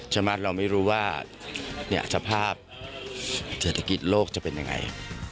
เราไม่รู้ว่าสภาพเศรษฐกิจโลกจะเป็นยังไง